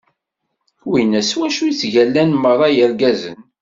Winna s wacu i ttgallan meṛṛa yirgazen.